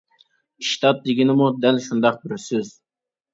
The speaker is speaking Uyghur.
ئىشتات دېگىنىمۇ دەل شۇنداق بىر سۆز.